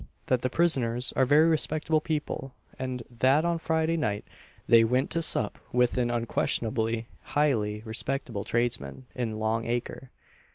_, that the prisoners are very respectable people, and that on Friday night they went to sup with an unquestionably highly respectable tradesman in Long acre.